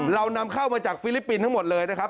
นำเข้ามาจากฟิลิปปินส์ทั้งหมดเลยนะครับ